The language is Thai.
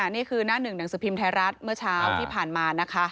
นี่คือหน้าหนึ่งหนังสือพิมพ์ไทยรัฐเมื่อเช้าที่ผ่านมานะคะ